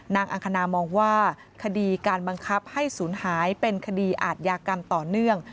อังคณามองว่าคดีการบังคับให้ศูนย์หายเป็นคดีอาทยากรรมต่อเนื่อง